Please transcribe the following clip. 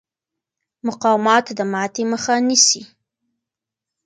مقاومت د ماتې مخه نیسي.